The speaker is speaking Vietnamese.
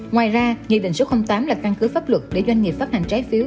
ngoài ra nghị định số tám là căn cứ pháp luật để doanh nghiệp phát hành trái phiếu